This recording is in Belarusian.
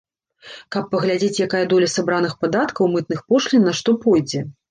Каб паглядзець, якая доля сабраных падаткаў, мытных пошлін на што пойдзе.